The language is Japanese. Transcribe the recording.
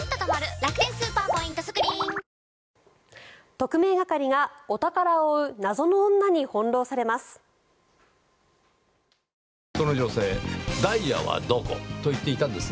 特命係がお宝を追う謎の女に翻ろうされます。